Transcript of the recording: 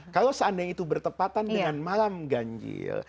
kalau seandainya itu bertepatan dengan malam ganjil